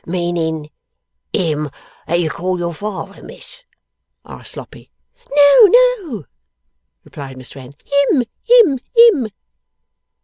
'Meaning him that you call your father, Miss,' asked Sloppy. 'No, no,' replied Miss Wren. 'Him, Him, Him!